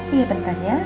iya bentar ya